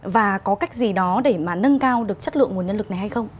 và có cách gì đó để mà nâng cao được chất lượng nguồn nhân lực này hay không